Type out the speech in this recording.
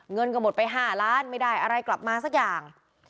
เงินก็หมดไป๕ล้านไม่ได้อะไรกลับมาสักอย่าง